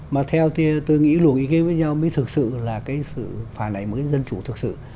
mà theo tôi nghĩ lũ ý kiến với nhau mới thực sự là cái sự phản ảnh của cái dân chủ thực sự